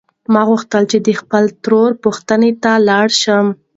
ما غوښتل چې د خپلې ترور پوښتنې ته لاړ شم.